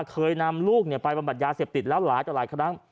เคยนำลูกไปบำรับยาเสพติดแรปหลายกัน